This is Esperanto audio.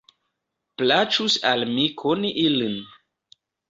Plaĉus al mi koni ilin.